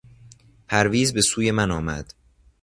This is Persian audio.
پرویز به سوی من آمد.